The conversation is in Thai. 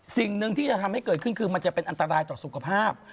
สิ่งหนึ่งที่จะทำให้เกิดขึ้นคือมันจะเป็นอันตรายต่อสุขภาพ